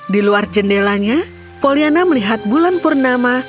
di luar jendelanya poliana melihat bulan purnama